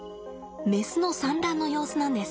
メスの産卵の様子なんです。